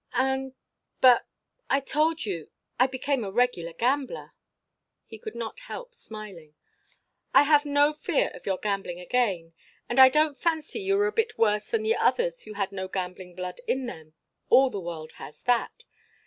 "And but I told you I became a regular gambler." He could not help smiling. "I have no fear of your gambling again. And I don't fancy you were a bit worse than the others who had no gambling blood in them all the world has that.